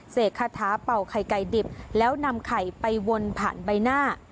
คาถาเป่าไข่ไก่ดิบแล้วนำไข่ไปวนผ่านใบหน้า